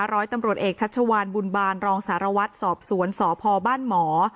ร้อยตำรวจเอกชัชวานบุญบาลรองสารวัตรสอบสวนสพบ้านหมอ